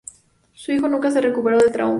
Su hijo nunca se recuperó del trauma.